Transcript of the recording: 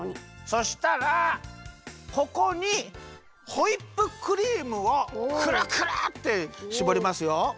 そしたらここにホイップクリームをくるくるってしぼりますよ。